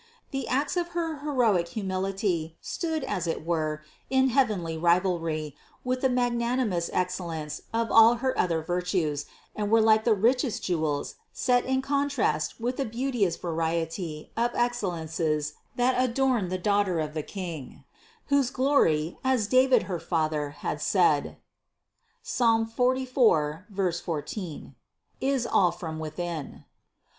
The acts of her heroic humility stood as it were in heavenly rivalry with the magnanimous excel lence of all her other virtues and were like richest jewels set in contrast with the beauteous variety of excellences that adorned the Daughter of the King, whose glory, as David, her father, had said (Psalm 44, 14), is all from within.